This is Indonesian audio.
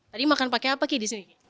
tadi makan pakai apa ki di sini